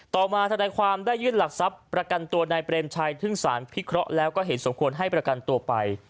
ต่อมาธนายความได้ยื่นหลักทรัพย์ประกันตัวนายเปรมชัยถึงสารพิเคราะห์แล้วก็เห็นสมควรให้ประกันตัวไป